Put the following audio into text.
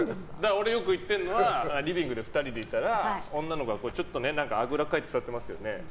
俺、よく言ってるのはリビングで２人でいたら女の子がちょっとあぐらかいて座ってますよね。